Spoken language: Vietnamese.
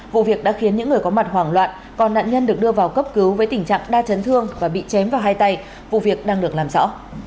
vụ việc đã khiến những người có mặt hoảng loạn còn nạn nhân được đưa vào cấp cứu với tình trạng đa chấn thương và bị chém vào hai tay vụ việc đang được làm rõ